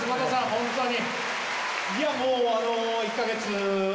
本当に。